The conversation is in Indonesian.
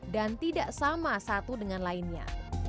dan tidak sama satu dengan lainnya